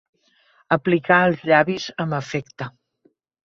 Aplicar els llavis amb afecte.